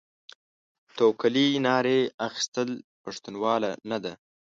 توکلې ناړې اخيستل؛ پښتنواله نه ده.